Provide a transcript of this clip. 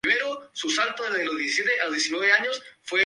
Louis, Missouri para convertirse en los actuales Los Ángeles Rams.